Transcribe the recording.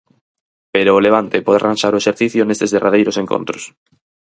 Pero o Levante pode arranxar o exercicio nestes derradeiros encontros.